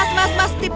nih mas mas tipnya